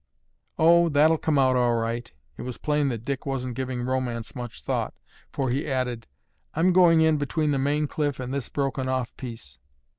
"Oh, that'll come out all right." It was plain that Dick wasn't giving romance much thought, for he added, "I'm going in between the main cliff and this broken off piece."